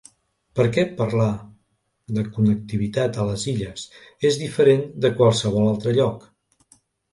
Perquè parlar de connectivitat a les Illes, és diferent de qualsevol altre lloc.